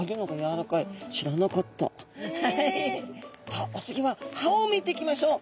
さあお次は歯を見ていきましょう。